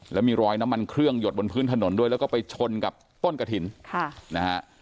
แล้วมีรอยน้ำมันเครื่องหยดบนพื้นถนนด้วยแล้วก็ไปชนกับต้นกระถิ่นค่ะนะฮะ